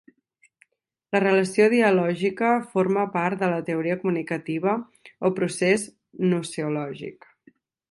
La relació dialògica forma part de la teoria comunicativa o procés gnoseològic.